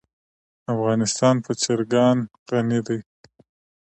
افغانستان په چرګان غني دی.